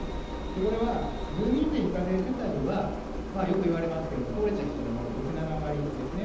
これは、住民税非課税世帯は、よく言われますけれども、高齢者は非常に多い、６、７割ですね。